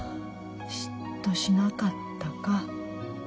嫉妬しなかったか。